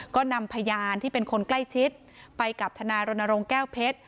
ก็นำพยานที่เป็นคนใกล้ชิดไปกับทนายรณรงค์แก้วเพชร